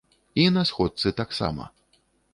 І на сходцы таксама.